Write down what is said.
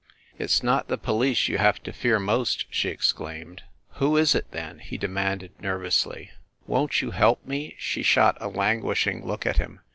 "It s not the police you have to fear most," she exclaimed. "Who is it, then ?" he demanded nervously. "Won t you help me?" She shot a languishing look at him.